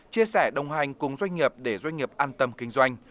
chia sẻ đồng hành cùng doanh nghiệp để doanh nghiệp an tâm kinh doanh